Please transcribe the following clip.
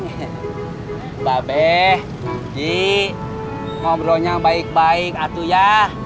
mbak beh ji ngobrolnya baik baik atu ya